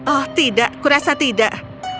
oh tidak kurasa tidak